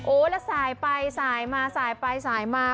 โอ้โหแล้วสายไปสายมาสายไปสายมา